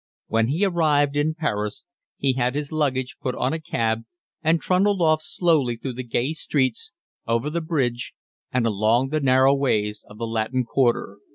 When he arrived in Paris he had his luggage put on a cab and trundled off slowly through the gay streets, over the bridge, and along the narrow ways of the Latin Quarter.